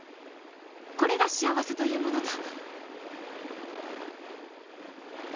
これが幸せというものだ